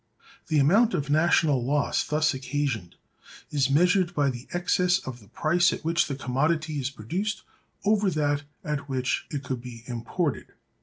The amount of national loss thus occasioned is measured by the excess of the price at which the commodity is produced over that at which it could be imported.